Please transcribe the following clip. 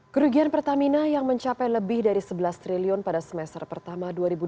kerugian pertamina yang mencapai lebih dari sebelas triliun pada semester pertama dua ribu dua puluh